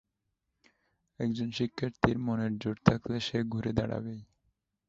একজন শিক্ষার্থীর মনের জোর থাকলে সে ঘুরে দাঁড়াবেই।